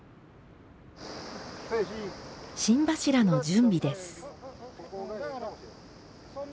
芯柱の準備です。